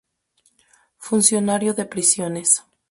Funcionario de prisiones.